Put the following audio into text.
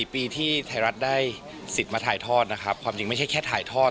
๔ปีที่ไทยรัฐได้สิทธิ์มาถ่ายทอดนะครับความจริงไม่ใช่แค่ถ่ายทอด